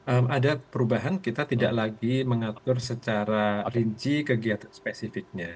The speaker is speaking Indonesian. ada perubahan kita tidak lagi mengatur secara rinci kegiatan spesifiknya